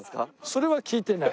それは聞いてない。